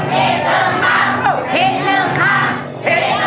พิดหนึ่งคำพิดหนึ่งคำ